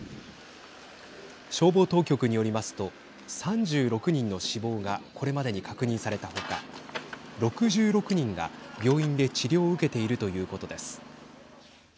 消防当局によりますと３６人の死亡がこれまでに確認された他６６人が病院で治療を受けているということです。